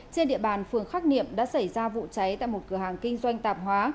trên địa bàn phường khắc niệm đã xảy ra vụ cháy tại một cửa hàng kinh doanh tạp hóa